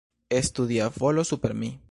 Estu Dia volo super mi!